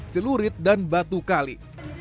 celurit dan batu kali